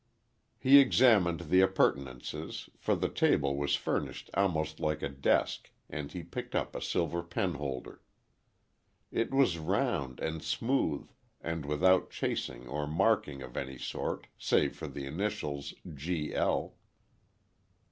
He examined the appurtenances, for the table was furnished almost like a desk, and he picked up a silver penholder. It was round and smooth and without chasing or marking of any sort, save for the initials G. L.